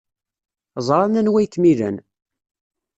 Ẓran anwa ay kem-ilan.